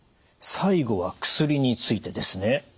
最後は薬についてですね。